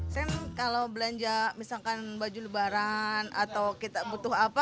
saya kalau belanja misalkan baju lebaran atau kita butuh apa